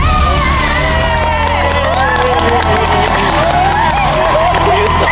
เฮ้ย